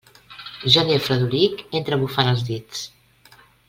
Gener fredolic entra bufant els dits.